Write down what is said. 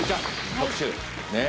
特集ねぇ。